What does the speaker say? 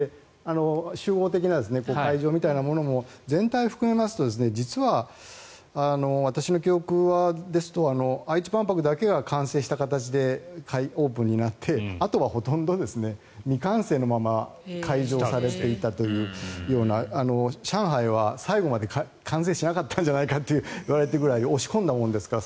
ただ、パビリオンというのとそれから最近ですと結構、我々がイメージするパビリオンだけじゃなくて集合的な会場みたいなもの全体を含めますと実は私の記憶ですと愛知万博だけが完成した形でオープンになってあとはほとんど未完成のまま開場されていたというような上海は最後まで完成しなかったんじゃないかと言われているぐらい押し込んだものですから。